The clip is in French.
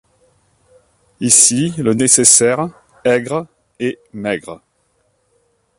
Ici le nécessaire, aigre Et maigre ;